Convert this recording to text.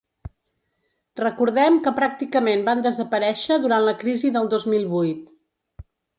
Recordem que pràcticament van desaparèixer durant la crisi del dos mil vuit.